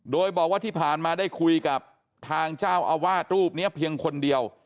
โดยบอกว่าที่ผ่านมาได้คุยกับทางเจ้าอาวาสรูปนี้เพียงคนเดียว